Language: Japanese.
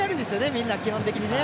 みんな基本的にね。